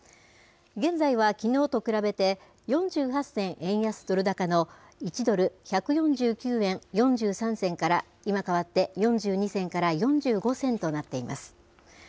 現在はきのうと比べて４８銭円安ドル高の１ドル１４９円４３銭から、今変わって４２銭から４５銭となっています。